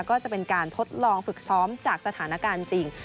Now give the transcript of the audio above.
ก็จะเป็นการทดลองฝึกซ้อมจากสถานการณ์จริง